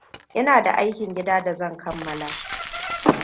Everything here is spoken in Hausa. Ina da aikin gida da zan kammala.